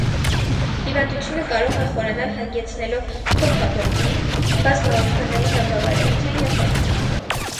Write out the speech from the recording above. Հիվանդությունը կարող է խորանալ, հանգեցնելով թոքաբորբի, բազմաօրգանային անբավարարության և մահվան։